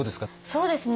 そうですね